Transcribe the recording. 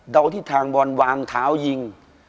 ดาวทิศทางบอลวางเท้ายิง